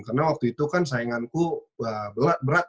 karena waktu itu kan sainganku berat berat